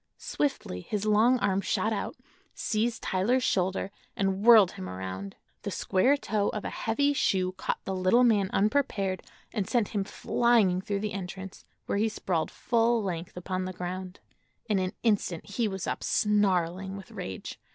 Swiftly his long arm shot out, seized Tyler's shoulder and whirled him around. The square toe of a heavy shoe caught the little man unprepared and sent him flying through the entrance, where he sprawled full length upon the ground. In an instant he was up, snarling with rage.